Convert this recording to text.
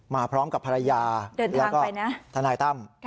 มาพร้อมกับภรรยาแล้วก็ทนายตั้ม